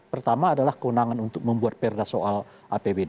pertama adalah kewenangan untuk membuat perda soal apbd